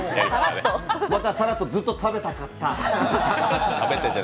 またさらっとずっと食べたかった？